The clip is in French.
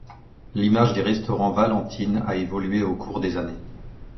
L'image des restaurants Valentine a évolué au cours des années.